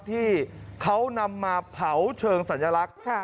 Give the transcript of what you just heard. ที่เขานำมาเผาเชิงสัญลักษณ์